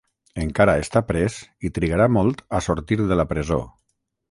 Encara està pres i trigarà molt a sortir de la presó.